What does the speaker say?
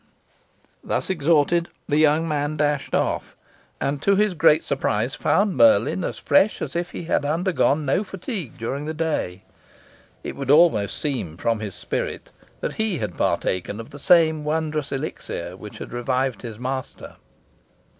Thus exhorted, the young man dashed off, and, to his great surprise, found Merlin as fresh as if he had undergone no fatigue during the day. It would almost seem, from his spirit, that he had partaken of the same wondrous elixir which had revived his master.